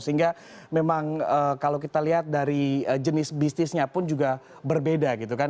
sehingga memang kalau kita lihat dari jenis bisnisnya pun juga berbeda gitu kan